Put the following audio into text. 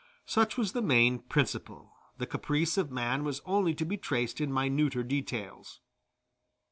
Such was the main principle; the caprice of man was only to be traced in minuter details.